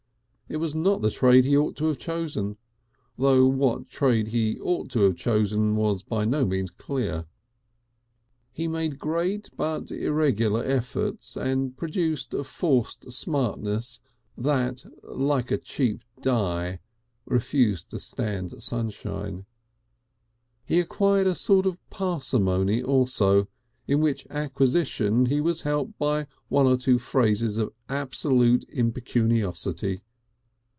It was not the trade he ought to have chosen, though what trade he ought to have chosen was by no means clear. He made great but irregular efforts and produced a forced smartness that, like a cheap dye, refused to stand sunshine. He acquired a sort of parsimony also, in which acquisition he was helped by one or two phases of absolute impecuniosity.